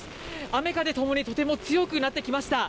雨風ともに強くなってきました。